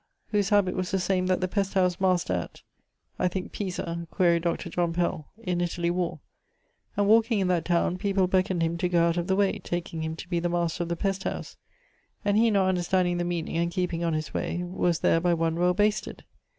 whose habit was the same that the pest house master at ... (I thinke, Pisa: quaere Dr. John Pell) in Italie wore; and walking in that towne, people beckoned him to goe out of the way, taking him to be the master of the pest house; and he not understanding the meaning, and keeping on his way, was there by one well basted.